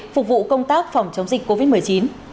phục vụ công tác phòng chống dịch covid một mươi chín